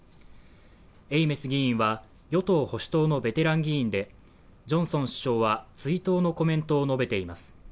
エイメス議員は与党保守党のベテラン議員で、ジョンソン首相は追悼のコメントを述べています。